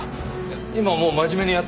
今はもう真面目にやってます。